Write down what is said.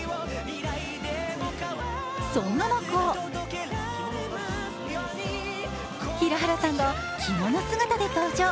そんな中平原さんが着物姿で登場。